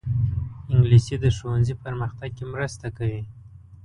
انګلیسي د ښوونځي پرمختګ کې مرسته کوي